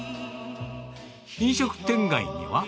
飲食店街には。